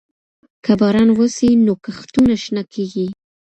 که باران وسي، نو کښتونه شنه کيږي.